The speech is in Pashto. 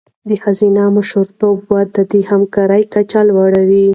د ښځینه مشرتابه وده د همکارۍ کچه لوړوي.